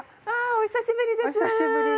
お久しぶりです。